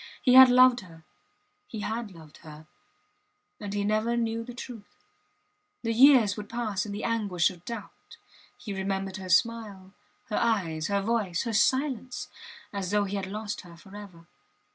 He had loved her he had loved her and he never knew the truth ... The years would pass in the anguish of doubt ... He remembered her smile, her eyes, her voice, her silence, as though he had lost her forever.